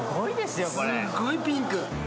すんごいピンク。